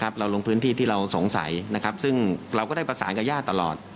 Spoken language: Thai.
เราลงพื้นที่ที่เราสงสัยซึ่งเราก็ได้ประสานกับญาติตลอด